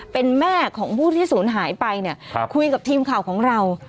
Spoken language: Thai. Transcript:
เป็นแม่ของผู้ที่สูญหายไปคุยกับทีมข่าวของเรา